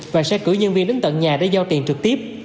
và sẽ cử nhân viên đến tận nhà để giao tiền trực tiếp